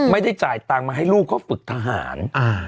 ไม่ได้จ่ายตังค์มาให้ลูกเขาฝึกทหาร